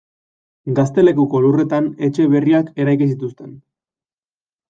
Gaztelekuko lurretan etxe berriak eraiki zituzten.